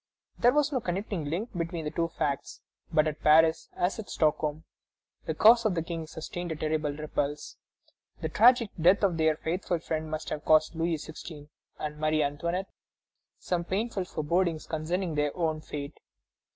There was no connecting link between the two facts; but at Paris, as at Stockholm, the cause of kings sustained a terrible repulse. The tragic death of their faithful friend must have caused Louis XVI. and Marie Antoinette some painful forebodings concerning their own fate.